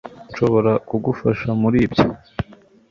Nshobora kugufasha muri ibyo